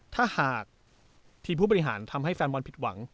ถ้าหากทีมผู้บริหารทำให้แฟนบอลนิวเคอร์เซินผิดหวัง